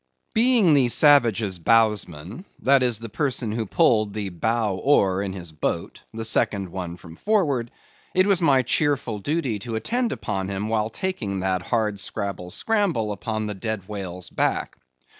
Being the savage's bowsman, that is, the person who pulled the bow oar in his boat (the second one from forward), it was my cheerful duty to attend upon him while taking that hard scrabble scramble upon the dead whale's back.